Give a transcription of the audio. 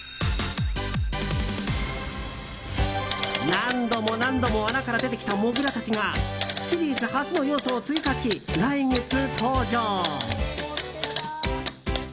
何度も何度も穴から出てきたモグラたちがシリーズ初の要素を追加し来月登場。